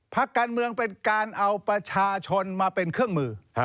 พักการเมืองเป็นการเอาประชาชนมาเป็นเครื่องมือ